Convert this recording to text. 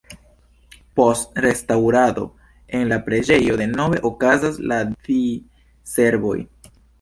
Post restaŭrado en la preĝejo denove okazas la di-servoj.